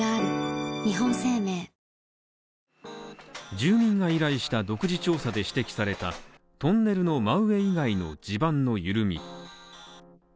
住民が依頼した独自調査で指摘されたトンネルの真上以外の地盤の緩み